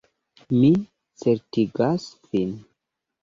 Mi certigas vin.